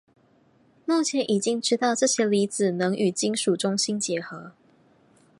目前已经知道这些离子能与金属中心结合。